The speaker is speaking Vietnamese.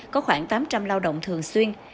có khoảng tám trăm linh lao động thường xuyên